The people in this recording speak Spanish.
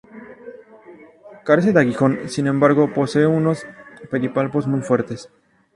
Carece de aguijón; sin embargo, posee unos pedipalpos muy fuertes.